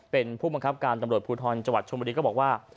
เป็นผู้บังคับการตำรวจภูทรจังหวัดชมบุรีก็บอกว่า